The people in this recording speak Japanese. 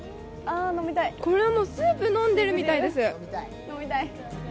これはスープ飲んでるみたいです。